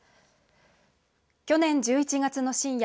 去年１１月の深夜